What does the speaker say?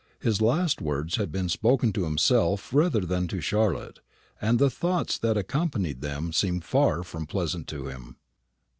His last words had been spoken to himself rather than to Charlotte, and the thoughts that accompanied them seemed far from pleasant to him.